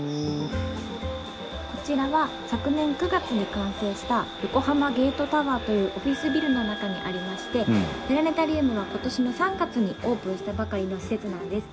こちらは昨年９月に完成した横濱ゲートタワーというオフィスビルの中にありましてプラネタリウムは今年の３月にオープンしたばかりの施設なんです。